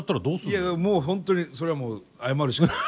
いやいやもう本当にそれはもう謝るしかない。